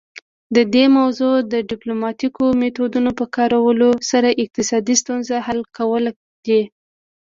د دې موضوع د ډیپلوماتیکو میتودونو په کارولو سره اقتصادي ستونزې حل کول دي